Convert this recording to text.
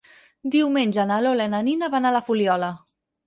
Diumenge na Lola i na Nina van a la Fuliola.